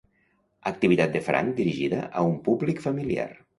Activitat de franc dirigida a un públic familiar.